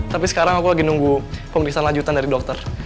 tapi sekarang aku lagi nunggu pemeriksaan lanjutan dari dokter